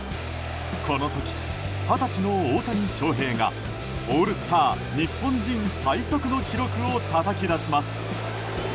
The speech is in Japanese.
この時、二十歳の大谷翔平がオールスター日本人最速の記録をたたき出します。